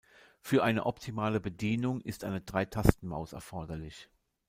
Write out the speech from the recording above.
Für eine optimale Bedienung ist eine Drei-Tasten-Maus erforderlich.